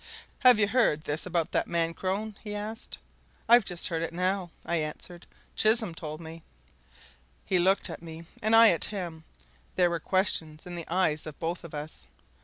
"Have you heard this about that man Crone?" he asked. "I've heard just now," I answered. "Chisholm told me." He looked at me, and I at him; there were questions in the eyes of both of us.